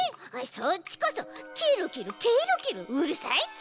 そっちこそ「ケロケロケロケロ」うるさいち！